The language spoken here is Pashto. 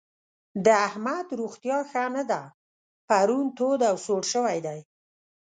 د احمد روغتيا ښه نه ده؛ پرون تود او سوړ شوی دی.